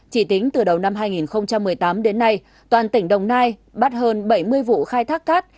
chỉ tính từ đầu năm hai nghìn một mươi tám đến nay toàn tỉnh đồng nai bắt hơn bảy mươi vụ khai thác cát